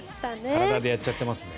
体でやっちゃってましたね。